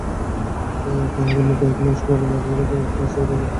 তাই আগামী কয়েক মাসে বারবারই পরিবর্তন আসতে পারে তালিকার মাঝের অংশটুকুতে।